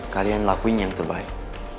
kalian lakuin yang terbaik